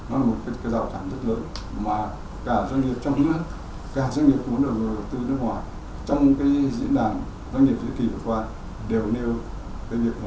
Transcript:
còn một khoảng cách rất lớn giữa chính sách và thực tế chính sách